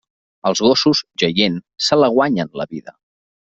Els gossos, jaient, se la guanyen, la vida.